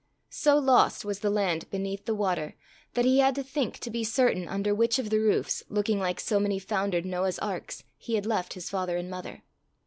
So lost was the land beneath the water, that he had to think to be certain under which of the roofs, looking like so many foundered Noah's arks, he had left his father and mother.